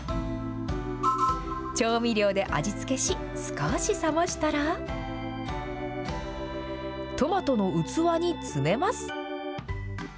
調味料で味付けし、少し冷ましたら、トマトの器に詰めます。